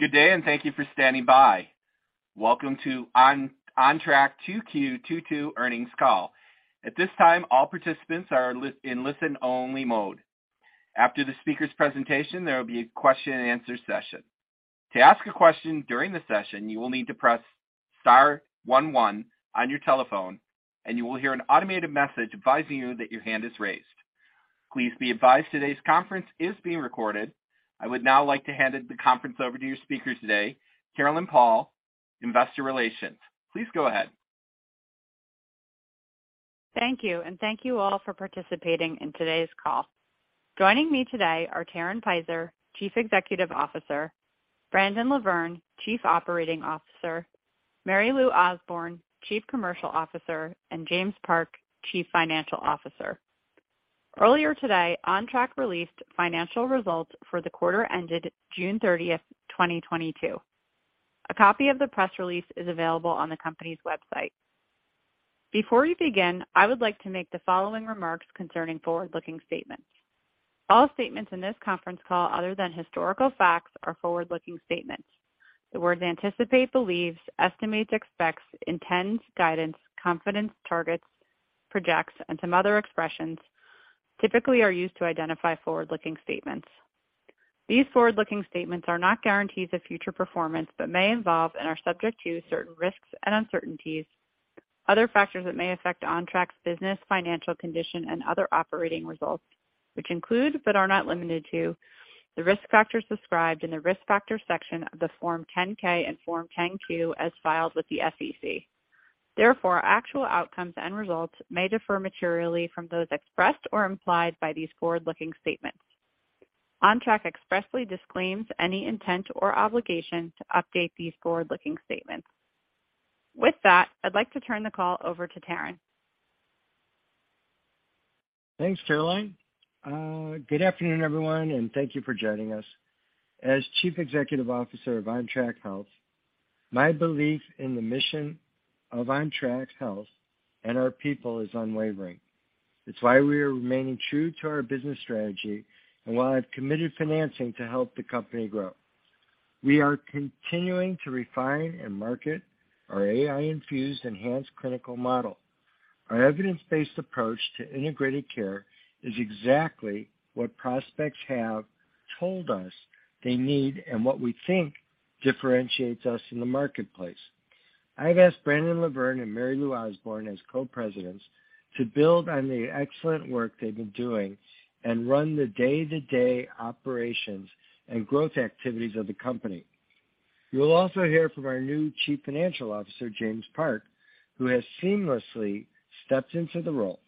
Good day and thank you for standing by. Welcome to Ontrak Q2 2022 earnings call. At this time, all participants are in listen-only mode. After the speaker's presentation, there will be a question-and-answer session. To ask a question during the session, you will need to press star one one on your telephone, and you will hear an automated message advising you that your hand is raised. Please be advised, today's conference is being recorded. I would now like to hand the conference over to your speaker today, Caroline Paul, Investor Relations. Please go ahead. Thank you, and thank you all for participating in today's call. Joining me today are Terren Peizer, Chief Executive Officer, Brandon LaVerne, Chief Operating Officer, Mary Lou Osborne, Chief Commercial Officer, and James Park, Chief Financial Officer. Earlier today, Ontrak released financial results for the quarter ended June 30th, 2022. A copy of the press release is available on the company's website. Before we begin, I would like to make the following remarks concerning forward-looking statements. All statements in this conference call other than historical facts are forward-looking statements. The words anticipate, believes, estimates, expects, intends, guidance, confidence, targets, projects, and some other expressions typically are used to identify forward-looking statements. These forward-looking statements are not guarantees of future performance, but may involve and are subject to certain risks and uncertainties, other factors that may affect Ontrak's business, financial condition, and other operating results, which include, but are not limited to, the risk factors described in the Risk Factors section of the Form 10-K and Form 10-Q as filed with the SEC. Therefore, actual outcomes and results may differ materially from those expressed or implied by these forward-looking statements. Ontrak expressly disclaims any intent or obligation to update these forward-looking statements. With that, I'd like to turn the call over to Terren. Thanks, Caroline. Good afternoon, everyone, and thank you for joining us. As Chief Executive Officer of Ontrak Health, my belief in the mission of Ontrak Health and our people is unwavering. It's why we are remaining true to our business strategy and why I've committed financing to help the company grow. We are continuing to refine and market our AI-infused enhanced clinical model. Our evidence-based approach to integrated care is exactly what prospects have told us they need and what we think differentiates us in the marketplace. I've asked Brandon LaVerne and Mary Lou Osborne as co-presidents to build on the excellent work they've been doing and run the day-to-day operations and growth activities of the company. You'll also hear from our new Chief Financial Officer, James Park, who has seamlessly stepped into the role.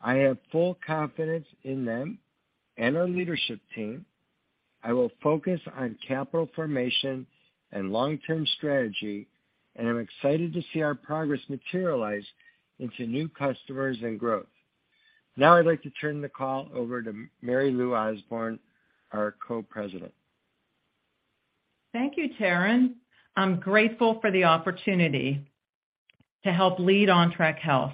I have full confidence in them and our leadership team. I will focus on capital formation and long-term strategy, and I'm excited to see our progress materialize into new customers and growth. Now I'd like to turn the call over to Mary Lou Osborne, our Co-President. Thank you, Terren. I'm grateful for the opportunity to help lead Ontrak Health.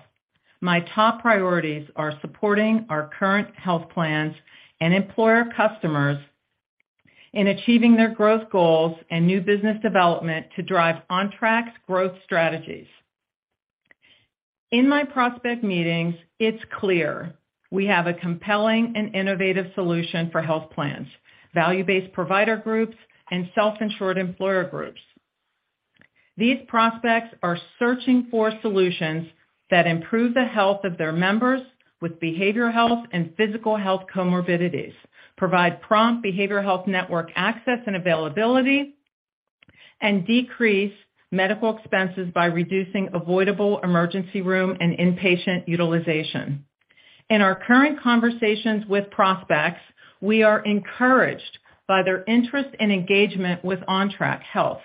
My top priorities are supporting our current health plans and employer customers in achieving their growth goals and new business development to drive Ontrak's growth strategies. In my prospect meetings, it's clear we have a compelling and innovative solution for health plans, value-based provider groups, and self-insured employer groups. These prospects are searching for solutions that improve the health of their members with behavioral health and physical health comorbidities, provide prompt behavioral health network access and availability, and decrease medical expenses by reducing avoidable emergency room and inpatient utilization. In our current conversations with prospects, we are encouraged by their interest and engagement with Ontrak Health.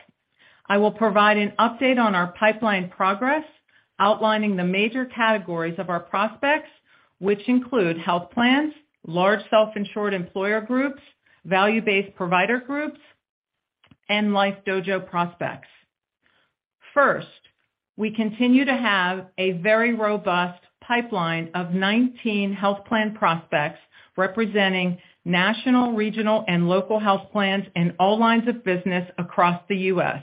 I will provide an update on our pipeline progress, outlining the major categories of our prospects, which include health plans, large self-insured employer groups, value-based provider groups, and LifeDojo prospects. First, we continue to have a very robust pipeline of 19 health plan prospects representing national, regional, and local health plans in all lines of business across the U.S.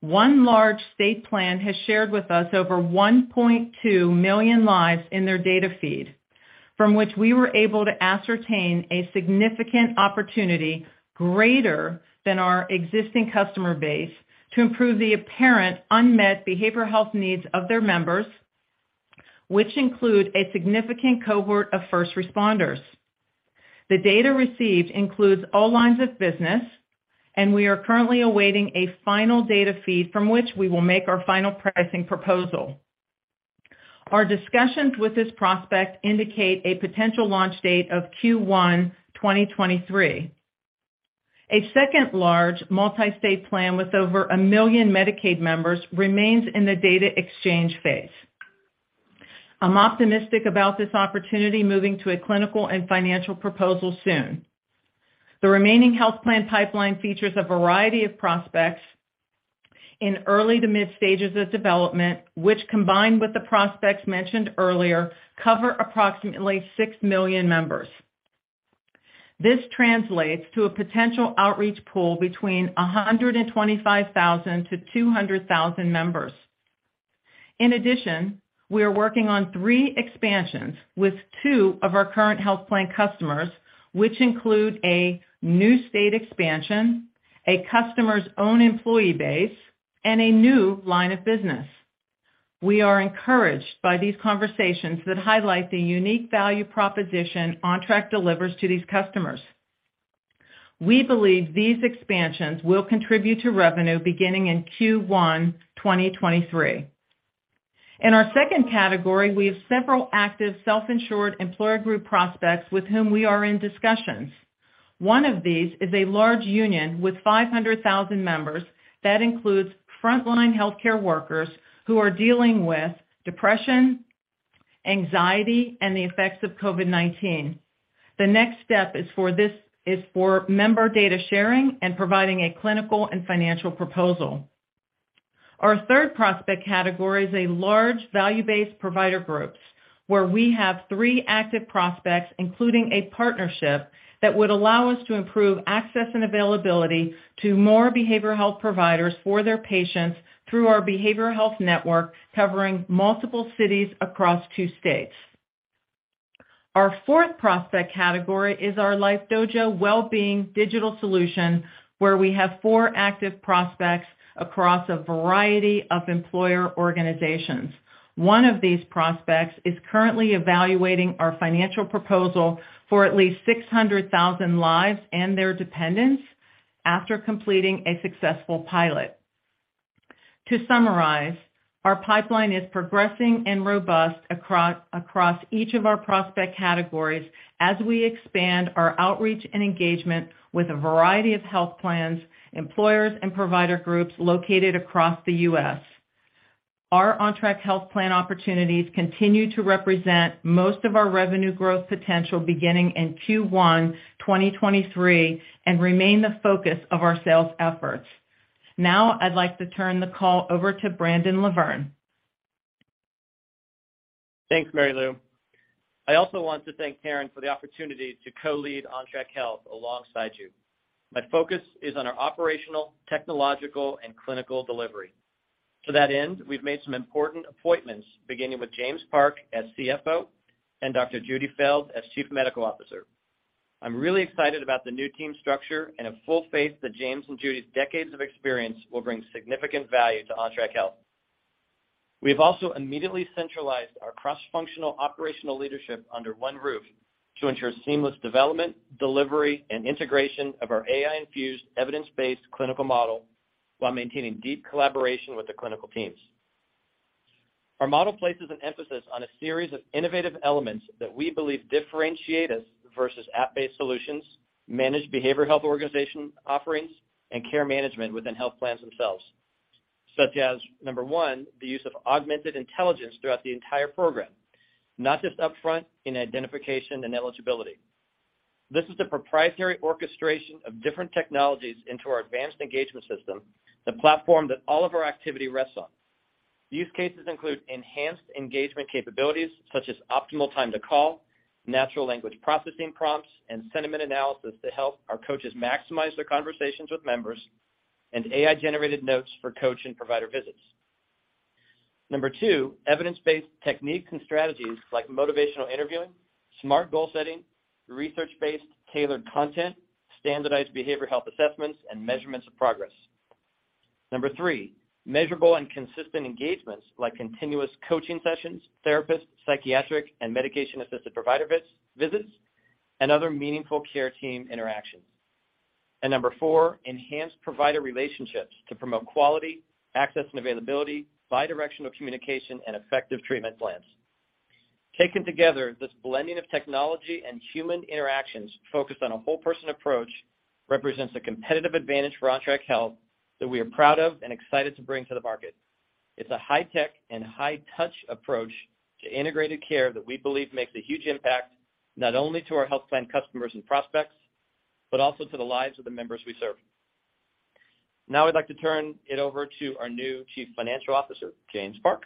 One large state plan has shared with us over 1.2 million lives in their data feed, from which we were able to ascertain a significant opportunity greater than our existing customer base to improve the apparent unmet behavioral health needs of their members, which include a significant cohort of first responders. The data received includes all lines of business, and we are currently awaiting a final data feed from which we will make our final pricing proposal. Our discussions with this prospect indicate a potential launch date of Q1 2023. A second large multi-state plan with over 1 million Medicaid members remains in the data exchange phase. I'm optimistic about this opportunity moving to a clinical and financial proposal soon. The remaining health plan pipeline features a variety of prospects in early to mid stages of development, which combined with the prospects mentioned earlier, cover approximately 6 million members. This translates to a potential outreach pool between 125,000-200,000 members. In addition, we are working on three expansions with two of our current health plan customers, which include a new state expansion, a customer's own employee base, and a new line of business. We are encouraged by these conversations that highlight the unique value proposition Ontrak delivers to these customers. We believe these expansions will contribute to revenue beginning in Q1 2023. In our second category, we have several active self-insured employer group prospects with whom we are in discussions. One of these is a large union with 500,000 members that includes frontline healthcare workers who are dealing with depression, anxiety, and the effects of COVID-19. The next step is for member data sharing and providing a clinical and financial proposal. Our third prospect category is a large value-based provider groups, where we have three active prospects, including a partnership that would allow us to improve access and availability to more behavioral health providers for their patients through our behavioral health network, covering multiple cities across two states. Our fourth prospect category is our LifeDojo wellbeing digital solution, where we have four active prospects across a variety of employer organizations. One of these prospects is currently evaluating our financial proposal for at least 600,000 lives and their dependents after completing a successful pilot. To summarize, our pipeline is progressing and robust across each of our prospect categories as we expand our outreach and engagement with a variety of health plans, employers, and provider groups located across the U.S. Our Ontrak Health plan opportunities continue to represent most of our revenue growth potential beginning in Q1 2023, and remain the focus of our sales efforts. Now, I'd like to turn the call over to Brandon LaVerne. Thanks, Mary Lou. I also want to thank Terren for the opportunity to co-lead Ontrak Health alongside you. My focus is on our operational, technological, and clinical delivery. To that end, we've made some important appointments, beginning with James Park as CFO and Dr. Judy Feld as Chief Medical Officer. I'm really excited about the new team structure and have full faith that James and Judy's decades of experience will bring significant value to Ontrak Health. We have also immediately centralized our cross-functional operational leadership under one roof to ensure seamless development, delivery, and integration of our AI-infused, evidence-based clinical model while maintaining deep collaboration with the clinical teams. Our model places an emphasis on a series of innovative elements that we believe differentiate us versus app-based solutions, managed behavioral health organization offerings, and care management within health plans themselves, such as, number one, the use of augmented intelligence throughout the entire program, not just upfront in identification and eligibility. This is the proprietary orchestration of different technologies into our Advanced Engagement System, the platform that all of our activity rests on. Use cases include enhanced engagement capabilities such as optimal time to call, natural language processing prompts, and sentiment analysis to help our coaches maximize their conversations with members, and AI-generated notes for coach and provider visits. Number two, evidence-based techniques and strategies like motivational interviewing, smart goal setting, research-based tailored content, standardized behavioral health assessments, and measurements of progress. Number three, measurable and consistent engagements like continuous coaching sessions, therapists, psychiatric, and medication-assisted provider visits, and other meaningful care team interactions. Number four, enhanced provider relationships to promote quality, access and availability, bi-directional communication, and effective treatment plans. Taken together, this blending of technology and human interactions focused on a whole person approach represents a competitive advantage for Ontrak Health that we are proud of and excited to bring to the market. It's a high-tech and high-touch approach to integrated care that we believe makes a huge impact, not only to our health plan customers and prospects, but also to the lives of the members we serve. Now, I'd like to turn it over to our new Chief Financial Officer, James Park.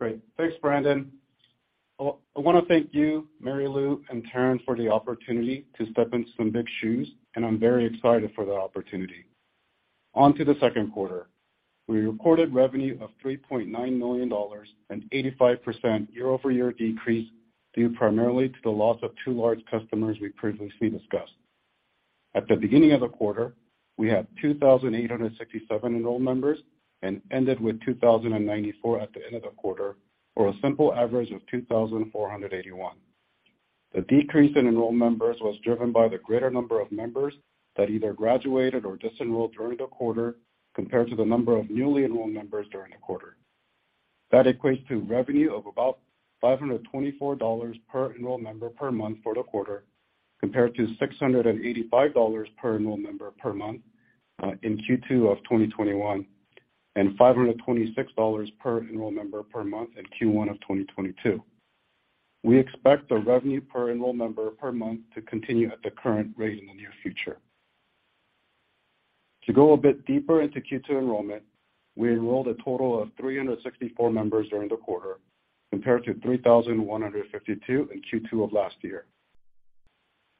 Great. Thanks, Brandon. I wanna thank you, Mary Lou, and Terren for the opportunity to step into some big shoes, and I'm very excited for the opportunity. On to the second quarter. We reported revenue of $3.9 million, an 85% year-over-year decrease, due primarily to the loss of two large customers we previously discussed. At the beginning of the quarter, we had 2,867 enrolled members and ended with 2,094 at the end of the quarter, or a simple average of 2,481. The decrease in enrolled members was driven by the greater number of members that either graduated or disenrolled during the quarter compared to the number of newly enrolled members during the quarter. That equates to revenue of about $524 per enrolled member per month for the quarter, compared to $685 per enrolled member per month in Q2 of 2021, and $526 per enrolled member per month in Q1 of 2022. We expect the revenue per enrolled member per month to continue at the current rate in the near future. To go a bit deeper into Q2 enrollment, we enrolled a total of 364 members during the quarter compared to 3,152 in Q2 of last year.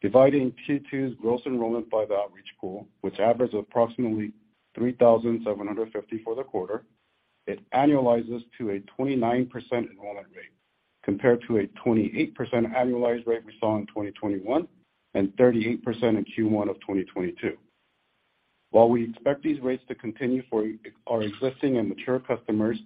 Dividing Q2's gross enrollment by the outreach pool, which averages approximately 3,750 for the quarter, it annualizes to a 29% enrollment rate compared to a 28% annualized rate we saw in 2021, and 38% in Q1 of 2022. While we expect these rates to continue for our existing and mature customers,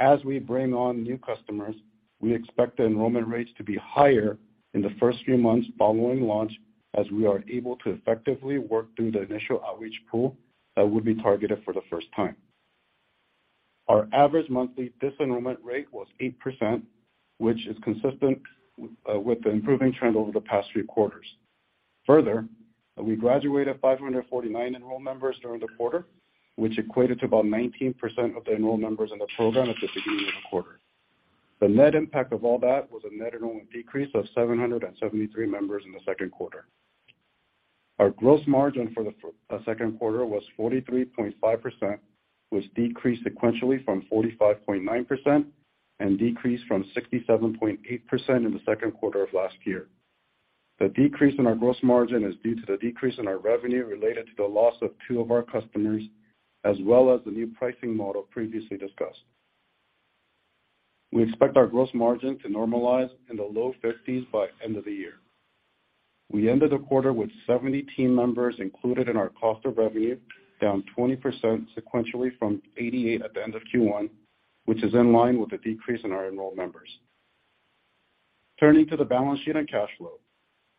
as we bring on new customers, we expect the enrollment rates to be higher in the first few months following launch as we are able to effectively work through the initial outreach pool that would be targeted for the first time. Our average monthly disenrollment rate was 8%, which is consistent with the improving trend over the past three quarters. Further, we graduated 549 enrolled members during the quarter, which equated to about 19% of the enrolled members in the program at the beginning of the quarter. The net impact of all that was a net enrollment decrease of 773 members in the second quarter. Our gross margin for the second quarter was 43.5%, which decreased sequentially from 45.9% and decreased from 67.8% in the second quarter of last year. The decrease in our gross margin is due to the decrease in our revenue related to the loss of two of our customers, as well as the new pricing model previously discussed. We expect our gross margin to normalize in the low 50s% by end of the year. We ended the quarter with 70 team members included in our cost of revenue, down 20% sequentially from 88 at the end of Q1, which is in line with the decrease in our enrolled members. Turning to the balance sheet and cash flow.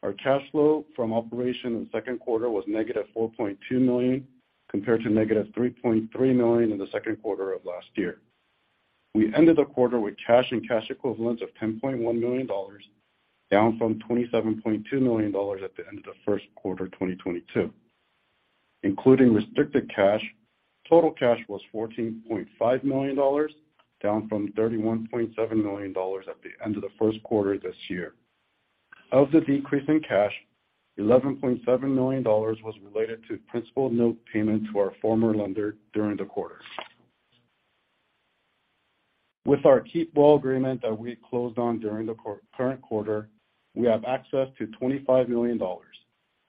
Our cash flow from operations in the second quarter was negative $4.2 million, compared to negative $3.3 million in the second quarter of last year. We ended the quarter with cash and cash equivalents of $10.1 million, down from $27.2 million at the end of the first quarter, 2022. Including restricted cash, total cash was $14.5 million, down from $31.7 million at the end of the first quarter this year. Of the decrease in cash, $11.7 million was related to principal note payment to our former lender during the quarter. With our Keep Well Agreement that we closed on during the current quarter, we have access to $25 million,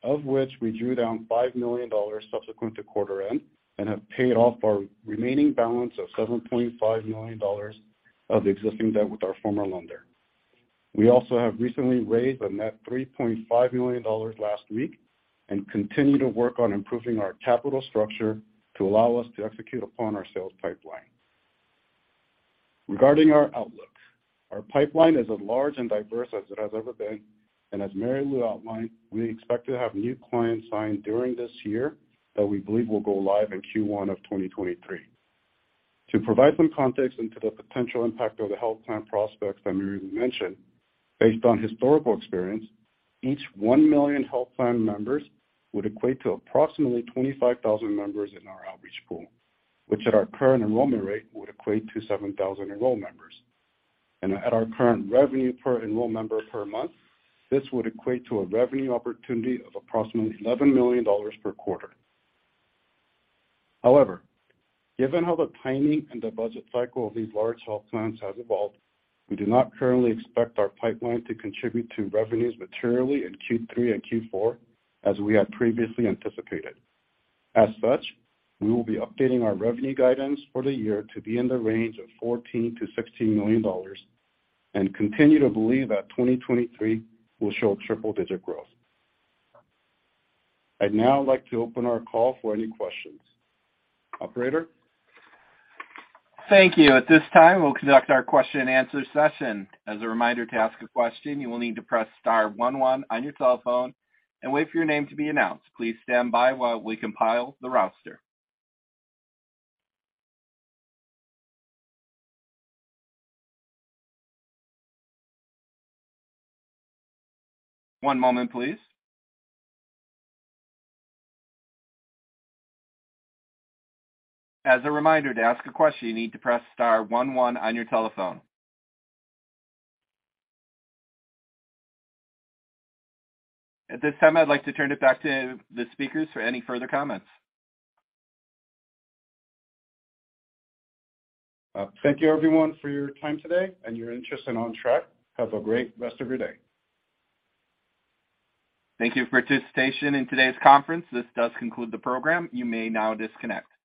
of which we drew down $5 million subsequent to quarter end and have paid off our remaining balance of $7.5 million of the existing debt with our former lender. We also have recently raised a net $3.5 million last week and continue to work on improving our capital structure to allow us to execute upon our sales pipeline. Regarding our outlook, our pipeline is as large and diverse as it has ever been, and as Mary Lou outlined, we expect to have new clients signed during this year that we believe will go live in Q1 of 2023. To provide some context into the potential impact of the health plan prospects that Mary mentioned, based on historical experience, each 1 million health plan members would equate to approximately 25,000 members in our outreach pool, which at our current enrollment rate, would equate to 7,000 enrolled members. At our current revenue per enrolled member per month, this would equate to a revenue opportunity of approximately $11 million per quarter. However, given how the timing and the budget cycle of these large health plans has evolved, we do not currently expect our pipeline to contribute to revenues materially in Q3 and Q4 as we had previously anticipated. As such, we will be updating our revenue guidance for the year to be in the range of $14 million-$16 million and continue to believe that 2023 will show triple digit growth. I'd now like to open our call for any questions. Operator? Thank you. At this time, we'll conduct our question-and-answer session. As a reminder, to ask a question, you will need to press star one one on your telephone and wait for your name to be announced. Please stand by while we compile the roster. One moment, please. As a reminder, to ask a question, you need to press star one one on your telephone. At this time, I'd like to turn it back to the speakers for any further comments. Thank you everyone for your time today and your interest in Ontrak. Have a great rest of your day. Thank you for participation in today's conference. This does conclude the program. You may now disconnect.